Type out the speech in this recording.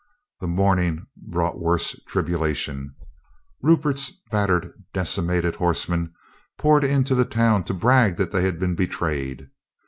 The morning brought worse tribulation. Rupert's battered, decimated horsemen poured into the town to brag that they had been betrayed.